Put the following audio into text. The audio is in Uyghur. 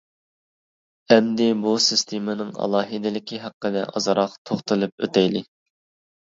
ئەمدى بۇ سىستېمىنىڭ ئالاھىدىلىكى ھەققىدە ئازراق توختىلىپ ئۆتەيلى.